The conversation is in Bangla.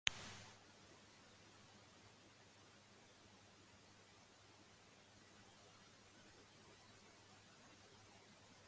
এতে তিনি শহরটিকে অদ্ভুত রহস্যময় এক রূপদান করেন।